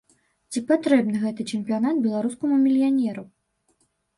Ці патрэбны гэты чэмпіянат беларускаму мільянеру?